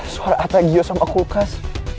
suara atak gio sama kulkas